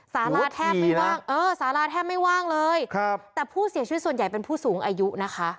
สาราแทบไม่ว่างเออสาราแทบไม่ว่างเลยครับแต่ผู้เสียชีวิตส่วนใหญ่เป็นผู้สูงอายุนะคะ